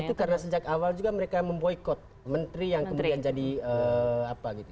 itu karena sejak awal juga mereka memboykot menteri yang kemudian jadi apa gitu